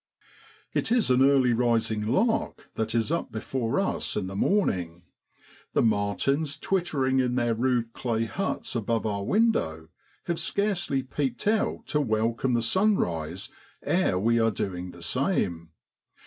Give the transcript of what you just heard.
It is an early rising lark that is up before us in the morning. The martins, twittering in their rude clay huts above our window, have scarcely peeped out to welcome the sunrise ere we are doing the same.